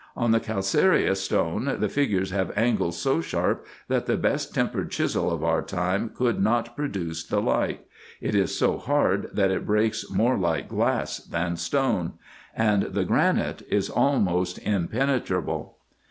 On the calcareous stone the figures have angles so sharp, that the best tempered chisel a a 9, 180 RESEARCHES AND OPERATIONS of our time could not produce the like ; it is so hard that it breaks more like glass than stone ; and the granite is almost impenetrable.